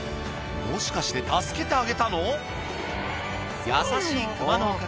もしかして助けてあげたの？